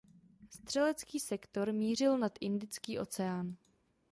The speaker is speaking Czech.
Střelecký sektor mířil nad Indický oceán.